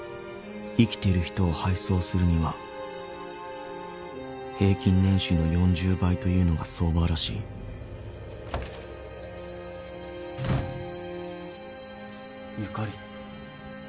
［生きている人を配送するには平均年収の４０倍というのが相場らしい］・ゆかり。